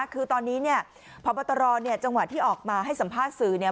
คือตอนนี้เนี่ยพบตรเนี่ยจังหวะที่ออกมาให้สัมภาษณ์สื่อเนี่ย